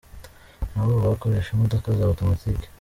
Nabo ubu bakoresha imodoka za automatic.